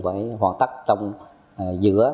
phải hoàn tất trong giữa